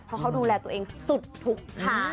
เพราะเขาดูแลตัวเองสุดทุกครั้ง